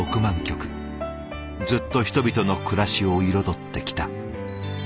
ずっと人々の暮らしを彩ってきた。